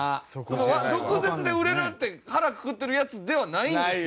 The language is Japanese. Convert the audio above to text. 毒舌で売れるって腹くくってるヤツではないんですよ